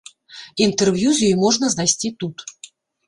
Інтэрв'ю з ёй можна знайсці тут.